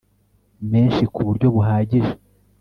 menshi ku buryo buhagije